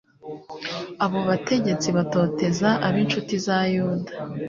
abo bategetsi batoteza ab'incuti za yuda